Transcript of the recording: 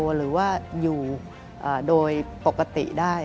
หรือว่าอยู่โดยปกติได้